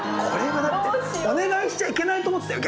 お願いしちゃいけないと思ってたよ